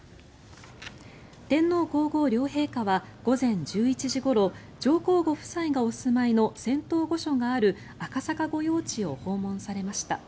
天皇・皇后両陛下は午前１１時ごろ上皇ご夫妻がお住まいの仙洞御所がある赤坂御用地を訪問されました。